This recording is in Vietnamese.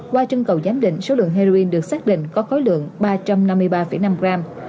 qua chân cầu giám định số lượng heroin được xác định có khối lượng ba trăm năm mươi ba năm gram